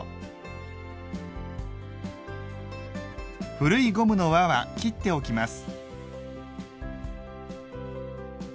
古いゴムの輪は切っておきます。